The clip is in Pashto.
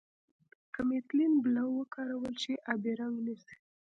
که میتیلین بلو وکارول شي آبي رنګ نیسي.